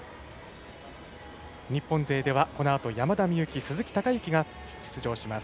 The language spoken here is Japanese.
日本勢ではこのあと山田美幸鈴木孝幸が出場します。